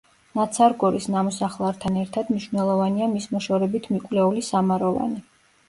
ნაცარგორის ნამოსახლართან ერთად მნიშვნელოვანია მის მოშორებით მიკვლეული სამაროვანი.